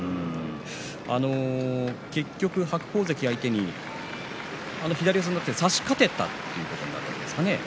結局、白鵬関相手に左四つで差しかけた差し勝てたということなんですかね。